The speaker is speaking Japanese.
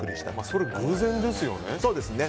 それは偶然ですよね。